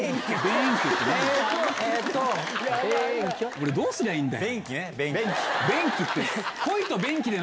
俺どうすりゃいいんだよ！